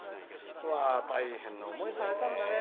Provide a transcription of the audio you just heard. うわー、大変な思いをされたんですね。